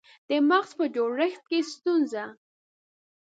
د مغز په جوړښت کې ستونزه